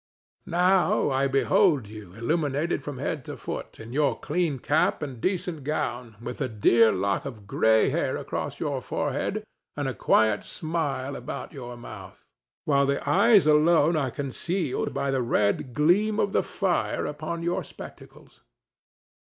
Now I behold you illuminated from head to foot, in your clean cap and decent gown, with the dear lock of gray hair across your forehead and a quiet smile about your mouth, while the eyes alone are concealed by the red gleam of the fire upon your spectacles.